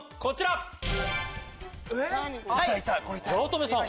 八乙女さん。